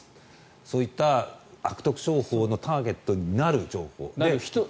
そういった悪徳商法のターゲットになる情報。